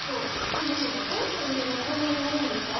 そもそもどうして輸入がこんなに多いんですか？